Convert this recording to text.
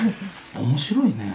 面白いね。